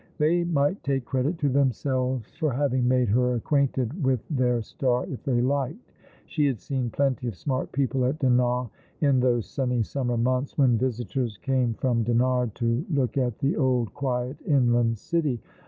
They might take credit to themselves for having made her acquainted with their star if they liked. She had seen plenty of smart people at Dinan in those sunny summer months when visitors came from Dinard to look at the old quiet inland city.